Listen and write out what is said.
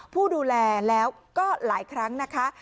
ผู้ดูแลแล้วก็หลายครั้งนะคะ